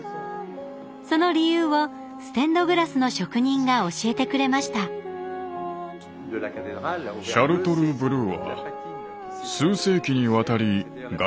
その理由をステンドグラスの職人が教えてくれました８００年の時が作り出したシャルトルブルー。